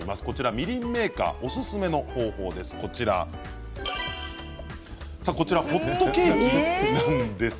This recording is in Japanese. みりんメーカーおすすめの方法です、こちらです。